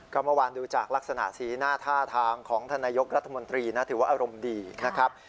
ก็เมื่อวานดูจากลักษณะสีหน้าท่าทางของท่านนายกรัฐมนตรีนะถือว่าอารมณ์ดีนะครับ